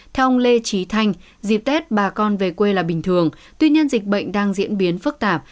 theo ông lê trí thanh dịp tết bà con về quê là bình thường tuy nhiên dịch bệnh đang diễn biến phức tạp